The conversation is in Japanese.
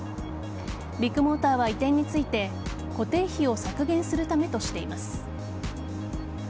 ビッグモーターは移転について固定費を削減するためとしています。